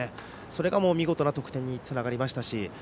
それが見事な得点につながりましたし。